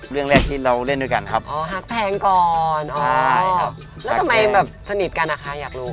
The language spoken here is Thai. แล้วทำไมแบบสนิทกันอ่ะคะอยากรู้